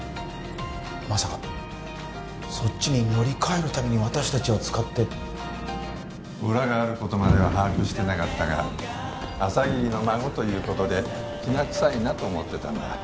まさかそっちに乗り換えるために私達を使って裏があることまでは把握してなかったが朝霧の孫ということでキナ臭いなと思ってたんだ